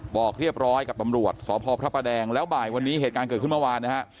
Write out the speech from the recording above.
บอกเรียบร้อยกับตำรวจสพพระประแดงแล้วบ่ายวันนี้เหตุการณ์เกิดขึ้นเมื่อวานนะฮะ